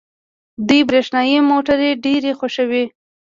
دوی برښنايي موټرې ډېرې خوښوي.